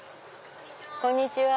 こんにちは。